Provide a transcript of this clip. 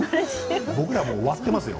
僕ら、もう終わってますよ。